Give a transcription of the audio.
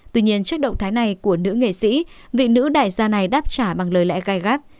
tuy nhiên trước động thái này của nữ nghệ sĩ vị nữ đại gia này đáp trả bằng lời lẽ gai gắt